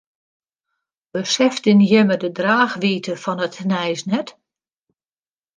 Beseften jimme de draachwiidte fan it nijs net?